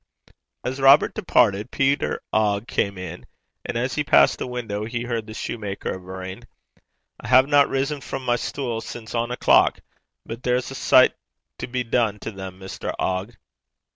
As Robert departed, Peter Ogg came in, and as he passed the window, he heard the shoemaker averring: 'I haena risen frae my stule sin' ane o'clock; but there's a sicht to be dune to them, Mr. Ogg.'